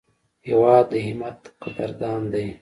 هېواد د همت قدردان دی.